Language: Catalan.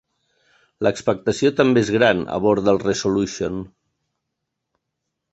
L'expectació també és gran a bord del Resolution.